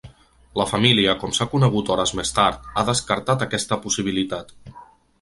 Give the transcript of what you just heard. La família, com s’ha conegut hores més tard, ha descartat aquesta possibilitat.